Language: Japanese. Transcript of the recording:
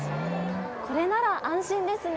これなら安心ですね。